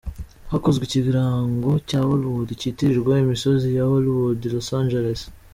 Hakozwe ikirango cya Hollywood kitirirwa imisozi ya Hollywood i Los Angeles.